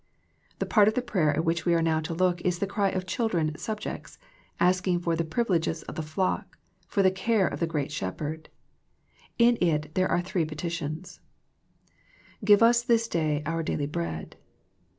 The part of the prayer at which we are now to look is the cry of children subjects, asking for the privileges of the flock, for the care of the one great Shepherd. In it there are three peti tions — Give us this day our daily bread.